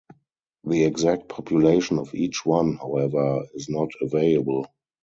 The exact population of each one, however, is not available.